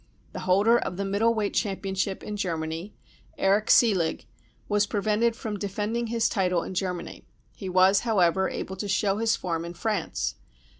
The holder of the middle weight championship in Germany, Erich Seelig, was prevented from defending his title in Germany ; he was, however, able to show his form in France.